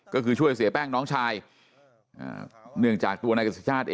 ก็คือช่วยเสียแป้งน้องชายเนื่องจากตัวนายกษิชาติ